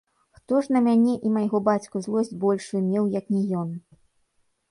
Хто ж на мяне і майго бацьку злосць большую меў, як не ён!